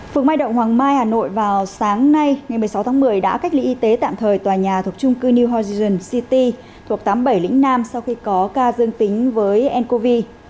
phường mai động hoàng mai hà nội vào sáng nay ngày một mươi sáu tháng một mươi đã cách ly y tế tạm thời tòa nhà thuộc trung cư new hotgen city thuộc tám mươi bảy lĩnh nam sau khi có ca dương tính với ncov